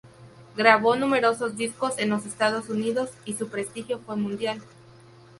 Grabó numerosos discos en los Estados Unidos y su prestigio fue mundial.